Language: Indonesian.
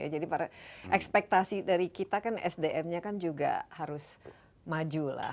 jadi para ekspektasi dari kita kan sdm nya kan juga harus maju lah